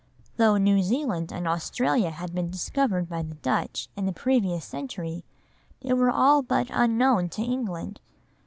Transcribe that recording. Though New Zealand and Australia had been discovered by the Dutch in the previous century, they were all but unknown to England.